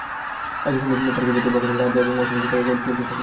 একই সঙ্গে পার্কের ভেতরে বখাটেদের আড্ডা এবং অসামাজিক কার্যকলাপ চলতে থাকে।